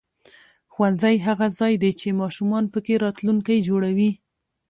ښوونځی هغه ځای دی چې ماشومان پکې راتلونکی جوړوي